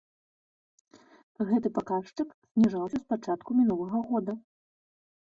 Гэты паказчык зніжаўся з пачатку мінулага года.